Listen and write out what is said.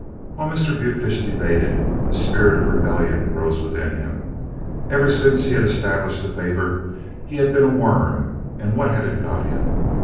While Mr. Butefish debated, a spirit of rebellion rose within him. Ever since he had established the paper he had been a worm, and what had it got him?